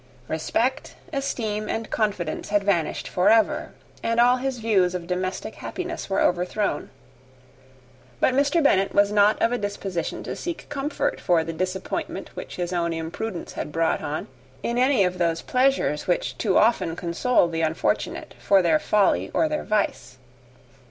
Respect, esteem, and confidence had vanished for ever; and all his views of domestic happiness were overthrown. But Mr. Bennet was not of a disposition to seek comfort for the disappointment which his own imprudence had brought on in any of those pleasures which too often console the unfortunate for their folly or their vice.